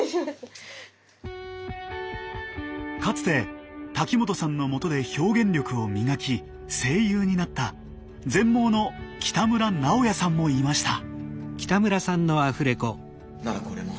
かつて滝本さんのもとで表現力を磨き声優になった全盲の北村直也さんもいました。